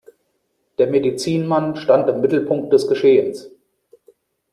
Der Medizinmann stand im Mittelpunkt des Geschehens.